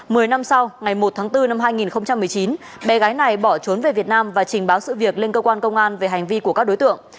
mười năm sau ngày một tháng bốn năm hai nghìn một mươi chín bé gái này bỏ trốn về việt nam và trình báo sự việc lên cơ quan công an về hành vi của các đối tượng